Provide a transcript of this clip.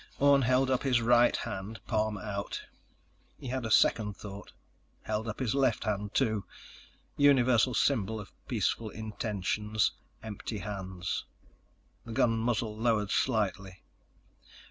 _ Orne held up his right hand, palm out. He had a second thought: held up his left hand, too. Universal symbol of peaceful intentions: empty hands. The gun muzzle lowered slightly.